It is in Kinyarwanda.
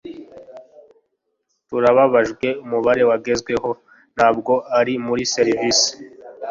turababajwe umubare wagezeho ntabwo uri muri serivisi